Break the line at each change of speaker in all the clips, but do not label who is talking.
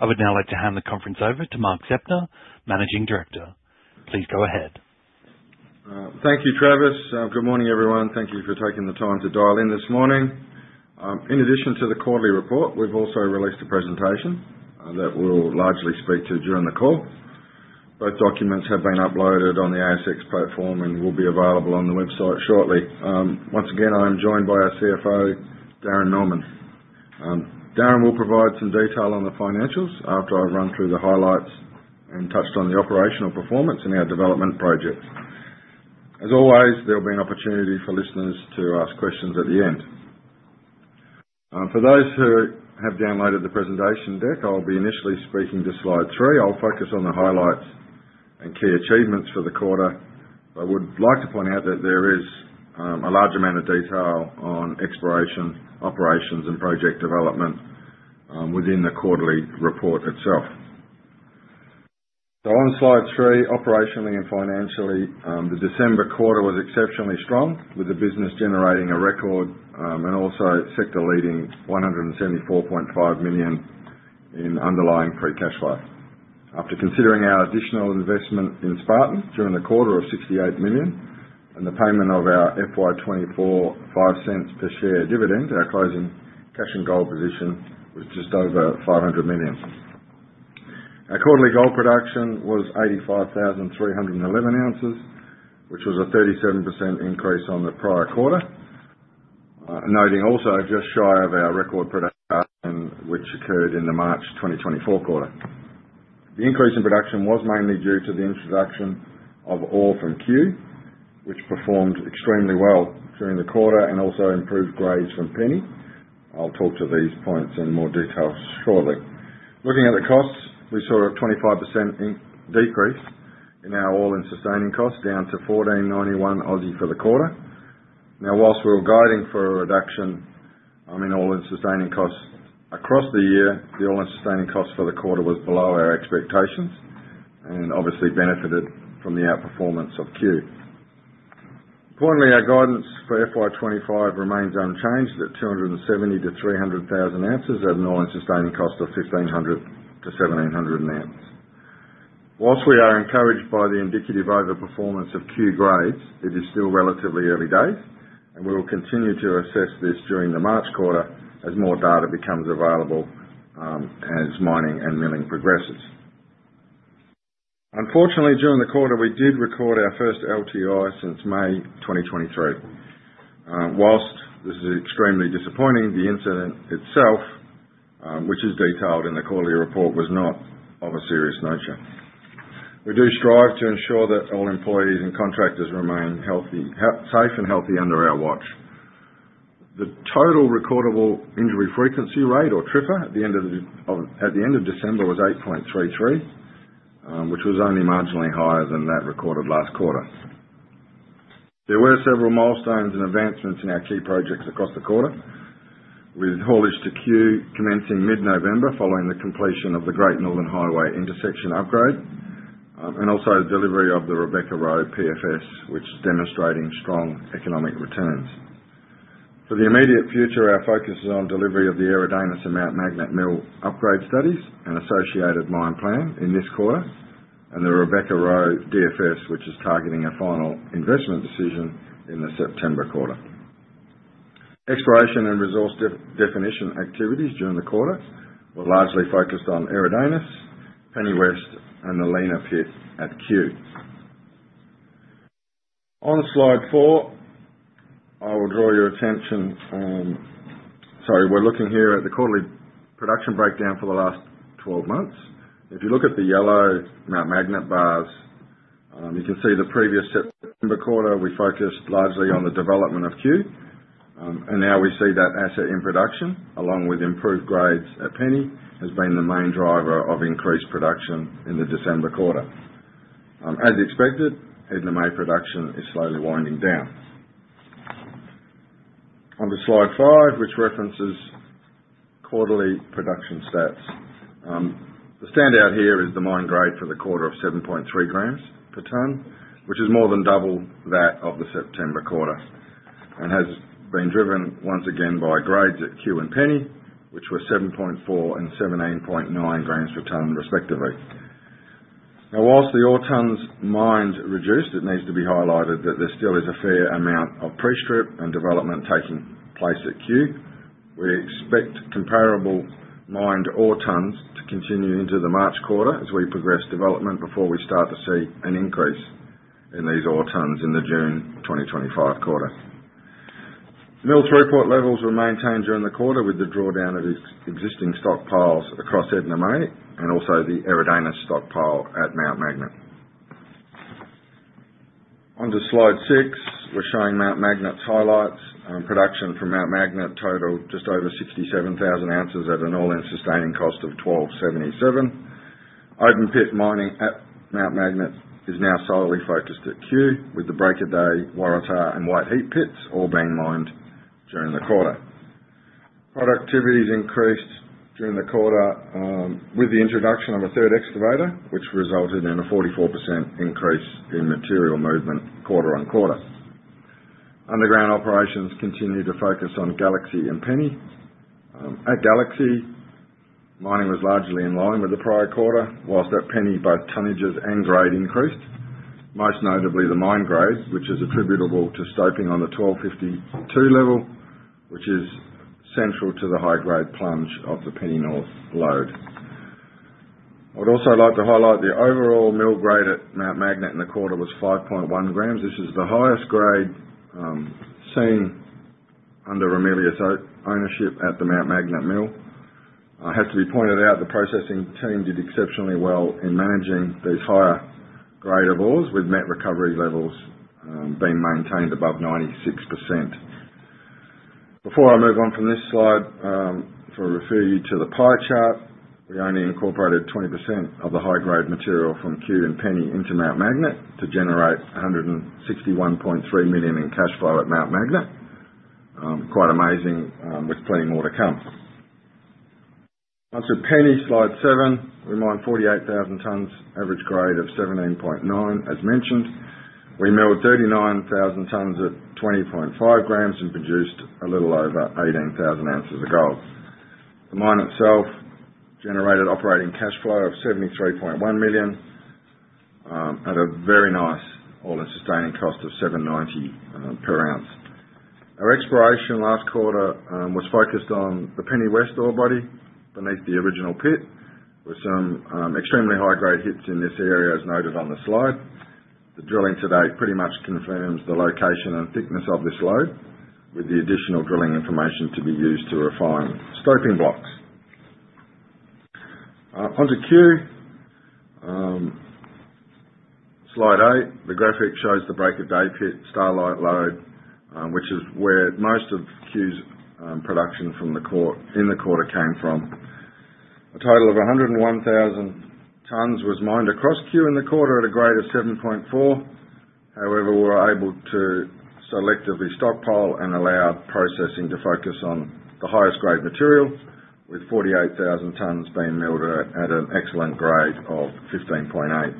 I would now like to hand the conference over to Mark Zeptner, Managing Director. Please go ahead.
Thank you, Travis. Good morning, everyone. Thank you for taking the time to dial in this morning. In addition to the quarterly report, we've also released a presentation that we'll largely speak to during the call. Both documents have been uploaded on the ASX platform and will be available on the website shortly. Once again, I'm joined by our CFO, Darren Millman. Darren will provide some detail on the financials after I've run through the highlights and touched on the operational performance in our development projects. As always, there'll be an opportunity for listeners to ask questions at the end. For those who have downloaded the presentation deck, I'll be initially speaking to slide three. I'll focus on the highlights and key achievements for the quarter. I would like to point out that there is a large amount of detail on exploration, operations, and project development within the quarterly report itself. On slide three, operationally and financially, the December quarter was exceptionally strong, with the business generating a record and also sector-leading 174.5 million in underlying free cash flow. After considering our additional investment in Spartan during the quarter of 68 million and the payment of our FY 2024 AUD 0.05 per share dividend, our closing cash and gold position was just over 500 million. Our quarterly gold production was 85,311 ounces, which was a 37% increase on the prior quarter, noting also just shy of our record production, which occurred in the March 2024 quarter. The increase in production was mainly due to the introduction of ore from Cue, which performed extremely well during the quarter and also improved grades from Penny. I'll talk to these points in more detail shortly. Looking at the costs, we saw a 25% decrease in our all-in sustaining costs, down to 1,491 for the quarter. Now, while we were guiding for a reduction in all-in sustaining costs across the year, the all-in sustaining costs for the quarter was below our expectations and obviously benefited from the outperformance of Cue. Importantly, our guidance for FY 2025 remains unchanged at 270-300,000 ounces at an all-in sustaining cost of 1,500-1,700 ounces. While we are encouraged by the indicative overperformance of Cue grades, it is still relatively early days, and we will continue to assess this during the March quarter as more data becomes available as mining and milling progresses. Unfortunately, during the quarter, we did record our first LTI since May 2023. While this is extremely disappointing, the incident itself, which is detailed in the quarterly report, was not of a serious nature. We do strive to ensure that all employees and contractors remain safe and healthy under our watch. The total recordable injury frequency rate, or TRIFR, at the end of December was 8.33, which was only marginally higher than that recorded last quarter. There were several milestones and advancements in our key projects across the quarter, with haulage to Cue commencing mid-November following the completion of the Great Northern Highway intersection upgrade and also the delivery of the Rebecca-Roe PFS, which is demonstrating strong economic returns. For the immediate future, our focus is on delivery of the Eridanus and Mount Magnet Mill upgrade studies and associated mine plan in this quarter and the Rebecca-Roe DFS, which is targeting a final investment decision in the September quarter. Exploration and resource definition activities during the quarter were largely focused on Eridanus, Penny West, and the Lena Pit at Cue. On slide four, I will draw your attention on—sorry, we're looking here at the quarterly production breakdown for the last 12 months. If you look at the yellow Mount Magnet bars, you can see the previous September quarter, we focused largely on the development of Cue, and now we see that asset in production, along with improved grades at Penny, has been the main driver of increased production in the December quarter. As expected, Edna May production is slowly winding down. Onto slide five, which references quarterly production stats. The standout here is the mine grade for the quarter of 7.3 grams per tonne, which is more than double that of the September quarter and has been driven once again by grades at Cue and Penny, which were 7.4 and 17.9 grams per tonne, respectively. Now, while the ore tonnes mined reduced, it needs to be highlighted that there still is a fair amount of pre-strip and development taking place at Cue. We expect comparable mined ore tonnes to continue into the March quarter as we progress development before we start to see an increase in these ore tonnes in the June 2025 quarter. Mill throughput levels were maintained during the quarter with the drawdown of existing stockpiles across Edna May and also the Eridanus stockpile at Mount Magnet. Onto slide six, we're showing Mount Magnet's highlights. Production from Mount Magnet totaled just over 67,000 ounces at an all-in sustaining cost of 1,277. Open pit mining at Mount Magnet is now solely focused at Cue, with the Break of Day, Waratah, and White Heap pits all being mined during the quarter. Productivity has increased during the quarter with the introduction of a third excavator, which resulted in a 44% increase in material movement quarter on quarter. Underground operations continue to focus on Galaxy and Penny. At Galaxy, mining was largely in line with the prior quarter, while at Penny, both tonnages and grade increased, most notably the mine grade, which is attributable to stoping on the 1,252 level, which is central to the high-grade plunge of the Penny North lode. I would also like to highlight the overall mill grade at Mount Magnet in the quarter was 5.1 grams. This is the highest grade seen under Ramelius ownership at the Mount Magnet Mill. It has to be pointed out, the processing team did exceptionally well in managing these higher grade of ores, with net recovery levels being maintained above 96%. Before I move on from this slide, I'll refer you to the pie chart. We only incorporated 20% of the high-grade material from Cue and Penny into Mount Magnet to generate 161.3 million in cash flow at Mount Magnet. Quite amazing, with plenty more to come. Onto Penny, slide seven. We mined 48,000 tonnes, average grade of 17.9, as mentioned. We milled 39,000 tonnes at 20.5 grams and produced a little over 18,000 ounces of gold. The mine itself generated operating cash flow of 73.1 million at a very nice all-in sustaining cost of 7.90 per ounce. Our exploration last quarter was focused on the Penny West ore body beneath the original pit, with some extremely high-grade hits in this area, as noted on the slide. The drilling today pretty much confirms the location and thickness of this lode, with the additional drilling information to be used to refine stoping blocks. Onto Cue, slide eight. The graphic shows the Break of Day Pit Starlight lode, which is where most of Cue's production in the quarter came from. A total of 101,000 tonnes was mined across Cue in the quarter at a grade of 7.4. However, we were able to selectively stockpile and allow processing to focus on the highest grade material, with 48,000 tonnes being milled at an excellent grade of 15.8.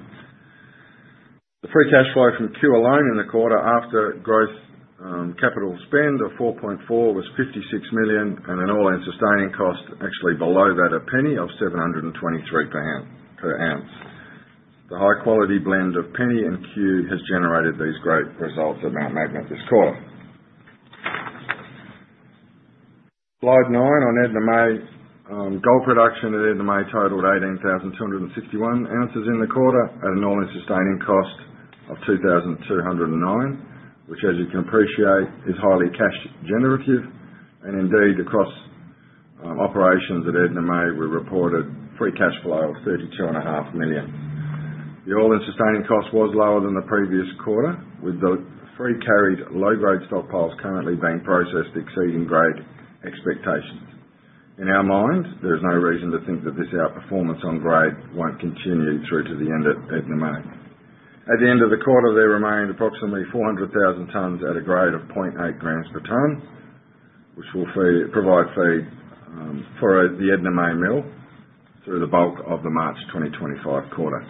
The free cash flow from Cue alone in the quarter after growth capital spend of 4.4 million was 56 million, and an all-in sustaining cost actually below that at Penny of 723 per ounce. The high-quality blend of Penny and Cue has generated these great results at Mount Magnet this quarter. Slide nine on Edna May. Gold production at Edna May totaled 18,261 ounces in the quarter at an all-in sustaining cost of 2,209, which, as you can appreciate, is highly cash generative. Indeed, across operations at Edna May, we reported free cash flow of 32.5 million. The all-in sustaining cost was lower than the previous quarter, with the free-carried low-grade stockpiles currently being processed exceeding grade expectations. In our minds, there is no reason to think that this outperformance on grade won't continue through to the end at Edna May. At the end of the quarter, there remained approximately 400,000 tonnes at a grade of 0.8 grams per tonne, which will provide feed for the Edna May Mill through the bulk of the March 2025 quarter.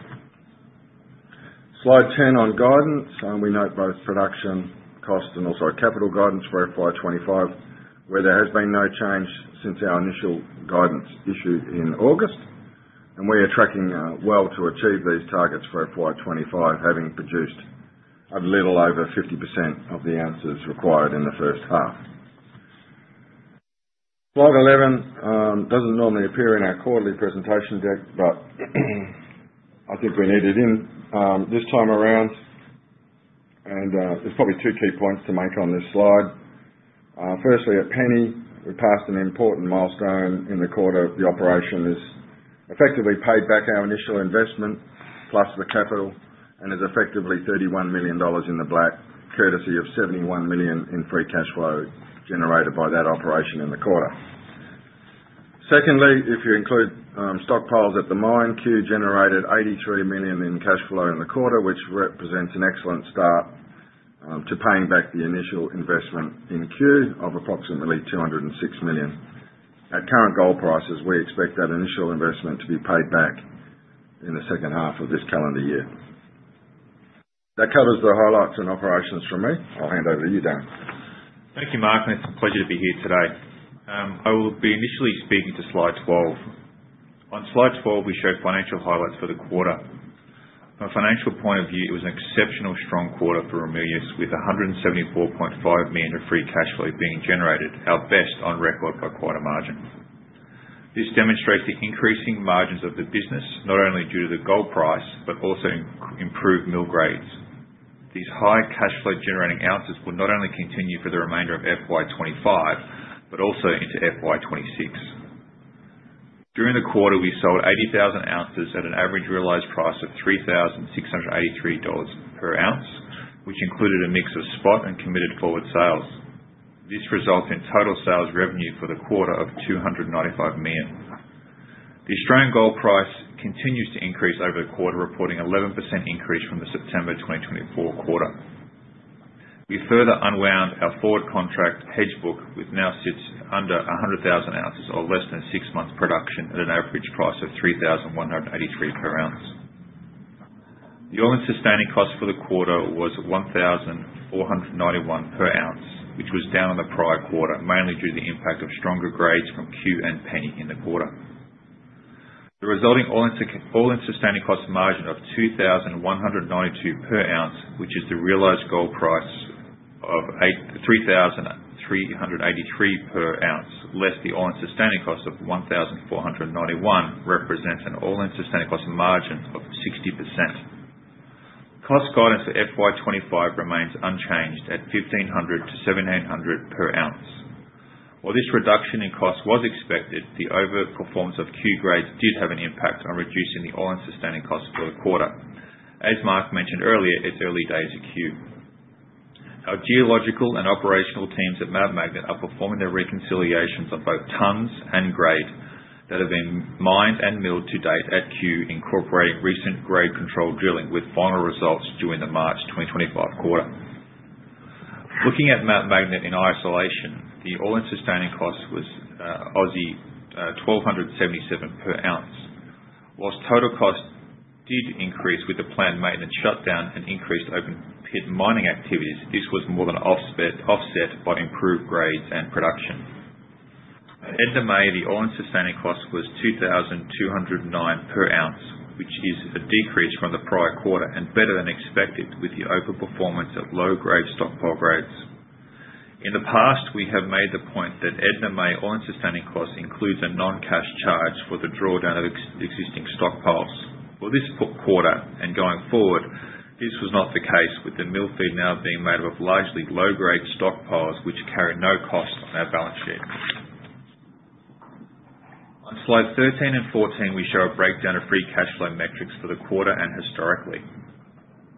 Slide 10 on guidance. We note both production cost and also capital guidance for FY 2025, where there has been no change since our initial guidance issued in August, and we are tracking well to achieve these targets for FY 2025, having produced a little over 50% of the ounces required in the first half. Slide 11 doesn't normally appear in our quarterly presentation deck, but I think we need it in this time around. And there's probably two key points to make on this slide. Firstly, at Penny, we passed an important milestone in the quarter. The operation has effectively paid back our initial investment plus the capital and is effectively 31 million dollars in the black, courtesy of 71 million in free cash flow generated by that operation in the quarter. Secondly, if you include stockpiles at the mine, Cue generated 83 million in cash flow in the quarter, which represents an excellent start to paying back the initial investment in Cue of approximately 206 million. At current gold prices, we expect that initial investment to be paid back in the second half of this calendar year. That covers the highlights and operations from me. I'll hand over to you, Darren.
Thank you, Mark. It's a pleasure to be here today. I will be initially speaking to slide 12. On slide 12, we show financial highlights for the quarter. From a financial point of view, it was an exceptionally strong quarter for Ramelius, with 174.5 million of free cash flow being generated, our best on record by quarter margin. This demonstrates the increasing margins of the business, not only due to the gold price, but also improved mill grades. These high cash flow generating ounces will not only continue for the remainder of FY 2025, but also into FY 2026. During the quarter, we sold 80,000 ounces at an average realized price of 3,683 dollars per ounce, which included a mix of spot and committed forward sales. This resulted in total sales revenue for the quarter of 295 million. The Australian gold price continues to increase over the quarter, reporting an 11% increase from the September 2024 quarter. We further unwound our forward contract hedge book, which now sits under 100,000 ounces or less than six months' production at an average price of 3,183 per ounce. The all-in sustaining cost for the quarter was 1,491 per ounce, which was down on the prior quarter, mainly due to the impact of stronger grades from Cue and Penny in the quarter. The resulting all-in sustaining cost margin of 2,192 per ounce, which is the realized gold price of 3,383 per ounce, less the all-in sustaining cost of 1,491, represents an all-in sustaining cost margin of 60%. Cost guidance for FY 2025 remains unchanged at 1,500-1,700 per ounce. While this reduction in cost was expected, the overperformance of Cue grades did have an impact on reducing the all-in sustaining cost for the quarter. As Mark mentioned earlier, it's early days at Cue. Our geological and operational teams at Mount Magnet are performing their reconciliations on both tonnes and grade that have been mined and milled to date at Cue, incorporating recent grade control drilling with final results during the March 2025 quarter. Looking at Mount Magnet in isolation, the all-in sustaining cost was 1,277 per ounce. While total cost did increase with the planned maintenance shutdown and increased open pit mining activities, this was more than offset by improved grades and production. At Edna May, the all-in sustaining cost was 2,209 per ounce, which is a decrease from the prior quarter and better than expected with the overperformance of low-grade stockpile grades. In the past, we have made the point that Edna May all-in sustaining cost includes a non-cash charge for the drawdown of existing stockpiles. For this quarter and going forward, this was not the case, with the mill feed now being made up of largely low-grade stockpiles, which carry no cost on our balance sheet. On slide 13 and 14, we show a breakdown of free cash flow metrics for the quarter and historically.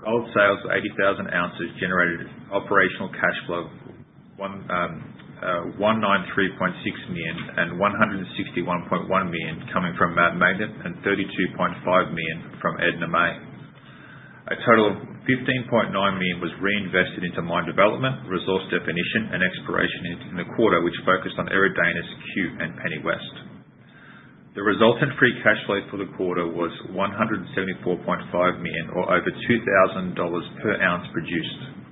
Gold sales of 80,000 ounces generated operational cash flow of 193.6 million and 161.1 million coming from Mount Magnet and 32.5 million from Edna May. A total of 15.9 million was reinvested into mine development, resource definition, and exploration in the quarter, which focused on Eridanus, Cue, and Penny West. The resultant free cash flow for the quarter was 174.5 million, or over 2,000 dollars per ounce produced.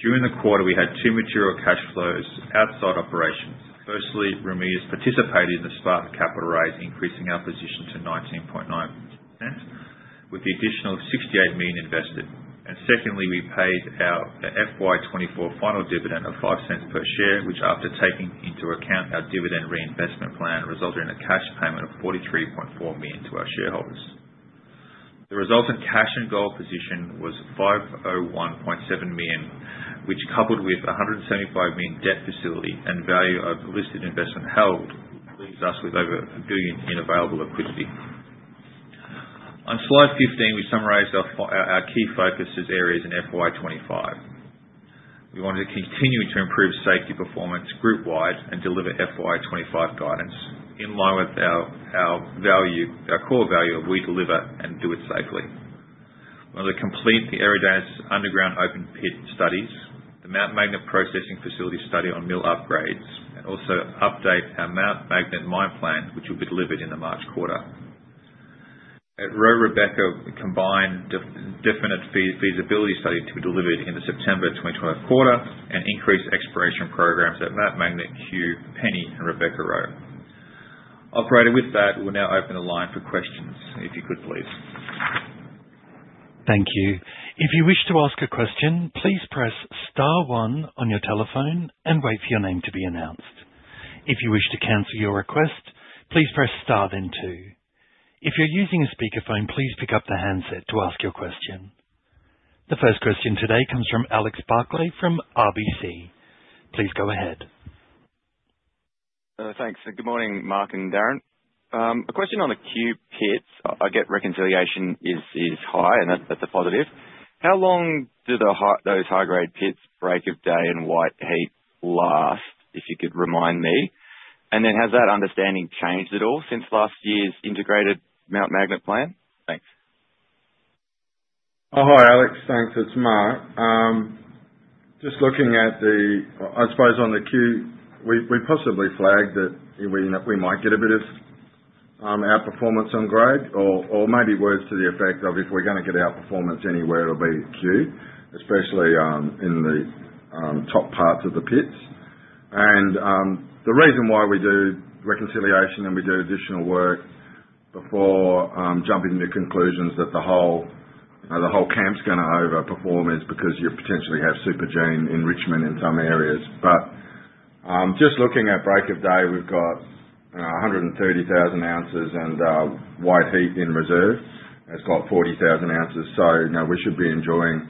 During the quarter, we had two material cash flows outside operations. Firstly, Ramelius participated in the Spartan capital raise, increasing our position to 19.9% with the additional AUD 68 million invested. And secondly, we paid our FY 2024 final dividend of 0.05 per share, which, after taking into account our dividend reinvestment plan, resulted in a cash payment of AUD 43.4 million to our shareholders. The resultant cash and gold position was AUD 501.7 million, which, coupled with AUD 175 million debt facility and value of listed investment held, leaves us with over 1 billion in available liquidity. On slide 15, we summarized our key focus areas in FY 2025. We wanted to continue to improve safety performance group-wide and deliver FY 2025 guidance in line with our core value of we deliver and do it safely. We wanted to complete the Eridanus underground open pit studies, the Mount Magnet processing facility study on mill upgrades, and also update our Mount Magnet mine plan, which will be delivered in the March quarter. At Roe Rebecca, we combined Definitive Feasibility Study to be delivered in the September 2024 quarter and increased exploration programs at Mount Magnet, Cue, Penny, and Rebecca Roe. Operator, with that, we'll now open the line for questions, if you could, please.
Thank you. If you wish to ask a question, please press star one on your telephone and wait for your name to be announced. If you wish to cancel your request, please press star then two. If you're using a speakerphone, please pick up the handset to ask your question. The first question today comes from Alex Barkley from RBC. Please go ahead.
Thanks. Good morning, Mark and Darren. A question on the Cue pits. I get reconciliation is high, and that's a positive. How long do those high-grade pits, Break of Day, and White Heap last, if you could remind me? And then has that understanding changed at all since last year's integrated Mount Magnet plan? Thanks.
Hi, Alex. Thanks. It's Mark. Just looking at the, I suppose, on the Cue, we possibly flagged that we might get a bit of outperformance on grade, or maybe words to the effect of if we're going to get outperformance anywhere, it'll be Cue, especially in the top parts of the pits. And the reason why we do reconciliation and we do additional work before jumping to conclusions that the whole camp's going to overperform is because you potentially have supergene enrichment in some areas. But just looking at Break of Day, we've got 130,000 ounces and White Heap in reserve. It's got 40,000 ounces. So we should be enjoying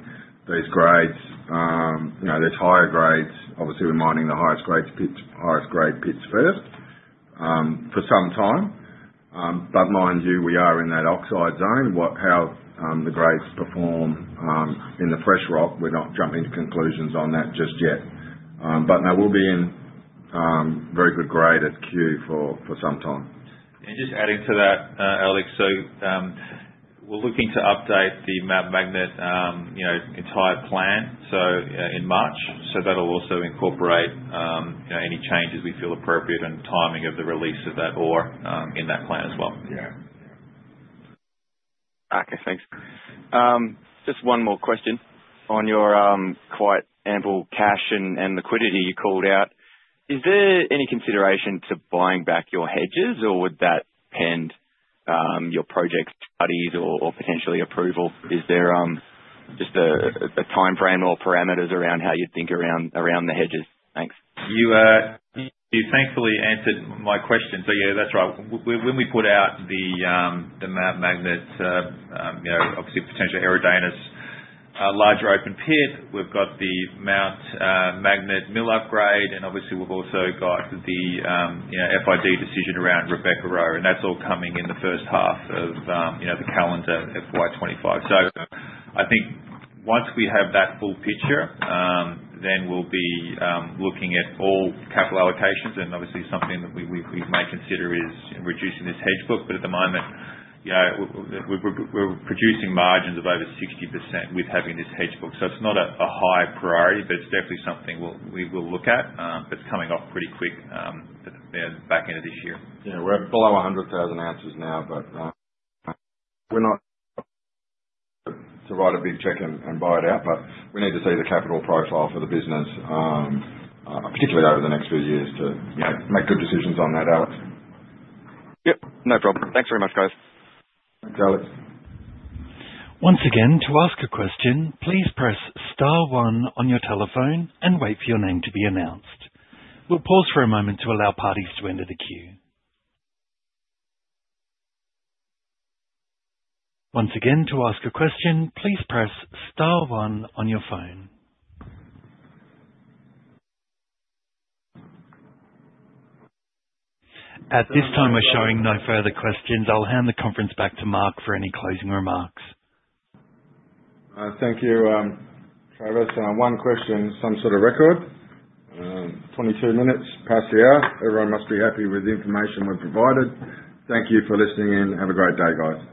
these grades. There's higher grades. Obviously, we're mining the highest grade pits first for some time. But mind you, we are in that oxide zone. How the grades perform in the fresh rock, we're not jumping to conclusions on that just yet, but they will be in very good grade at Cue for some time.
And just adding to that, Alex, so we're looking to update the Mount Magnet entire plan in March, so that'll also incorporate any changes we feel appropriate and timing of the release of that ore in that plan as well.
Yeah. Okay. Thanks. Just one more question on your quite ample cash and liquidity you called out. Is there any consideration to buying back your hedges, or would that pending your project studies or potentially approval? Is there just a timeframe or parameters around how you'd think around the hedges? Thanks.
You thankfully answered my question, so yeah, that's right. When we put out the Mount Magnet, obviously potentially Eridanus, larger open pit, we've got the Mount Magnet mill upgrade, and obviously we've also got the FID decision around Rebecca, Roe. And that's all coming in the first half of the calendar FY 2025. So I think once we have that full picture, then we'll be looking at all capital allocations and obviously something that we may consider is reducing this hedge book. But at the moment, we're producing margins of over 60% with having this hedge book. So it's not a high priority, but it's definitely something we will look at. It's coming off pretty quick at the back end of this year.
Yeah. We're below 100,000 ounces now, but we're not to write a big check and buy it out, but we need to see the capital profile for the business, particularly over the next few years, to make good decisions on that, Alex.
Yep. No problem. Thanks very much, guys.
Thanks, Alex.
Once again, to ask a question, please press star one on your telephone and wait for your name to be announced. We'll pause for a moment to allow parties to enter the queue. Once again, to ask a question, please press star one on your phone. At this time, we're showing no further questions. I'll hand the conference back to Mark for any closing remarks.
Thank you, Travis. One question, some sort of record. 22 minutes past the hour. Everyone must be happy with the information we've provided. Thank you for listening in. Have a great day, guys.